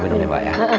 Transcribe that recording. minum ya pak ya